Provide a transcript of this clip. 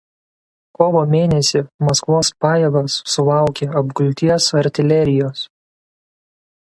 Kovo mėnesį Maskvos pajėgos sulaukė apgulties artilerijos.